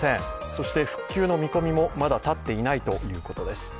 そして復旧の見込みもまだ立っていないということです。